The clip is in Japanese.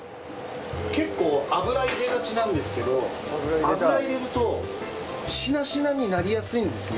結構油入れがちなんですけど油入れるとしなしなになりやすいんですね